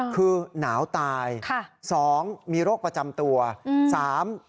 คือหนาวตายค่ะสองมีโรคประจำตัวอืมสาม